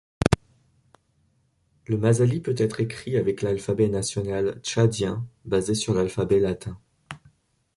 Le masalit peut être écrit avec l’alphabet national tchadien basé sur l’alphabet latin.